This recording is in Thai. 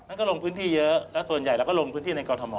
ก็ลงพื้นที่เยอะแล้วส่วนใหญ่เราก็ลงพื้นที่ในกรทม